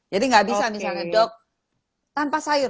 jadi tidak bisa misalnya dok tanpa sayur